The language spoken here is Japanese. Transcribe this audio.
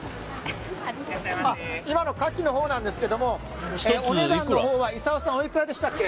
今のかきのほうなんですがお値段のほうは功さんおいくらでしたっけ？